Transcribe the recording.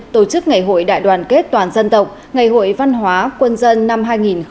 tổ chức ngày hội đại đoàn kết toàn dân tộc ngày hội văn hóa quân dân năm hai nghìn một mươi chín